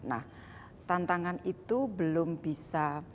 nah tantangan itu belum bisa